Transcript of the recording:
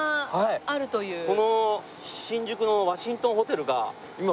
この新宿のワシントンホテルが。